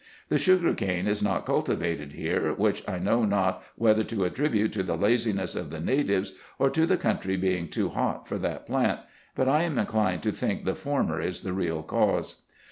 The sugar cane is not cultivated here, which I know not whether to attribute to the laziness of the natives, or to the country being too hot for that plant ; but I am inclined to think the former is the real cause.